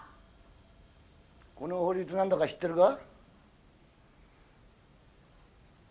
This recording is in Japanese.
この法律何だか知ってるか？